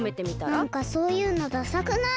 なんかそういうのダサくない？